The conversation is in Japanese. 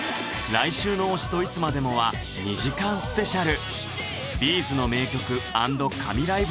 来週の「推しといつまでも」は２時間スペシャル！